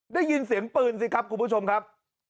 ได้ยินเสียงปืนสิครับคุณผู้ชมครับ